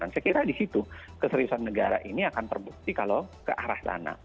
saya kira disitu keseriusan negara ini akan terbukti kalau ke arah dana